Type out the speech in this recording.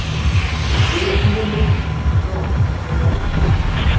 If we're a humble nation, but strong, they'll welcome us.